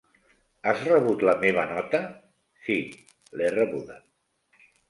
Has rebut la meva nota?, Sí, l'he rebuda.